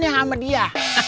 yang sama dia